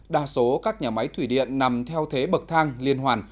đa số các nhà máy thủy điện nằm theo thế bậc thang liên hoàn